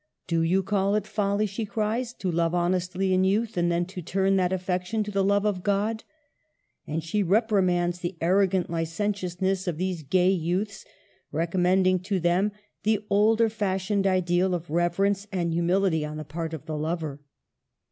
"■ Do you call it folly," she cries, '* to love honestly in youth and then to turn that affection to the love of God?" And she reprimands the arrogant licentiousness of these gay youths ; rec ommending to them the older fashioned ideal of reverence and humility on the part of the lover.